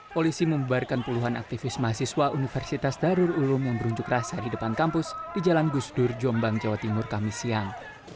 polisi membuarkan puluhan aktivis mahasiswa universitas darul ulum yang berunjuk rasa di depan kampus di jalan gusdur jombang jawa timur kamis siang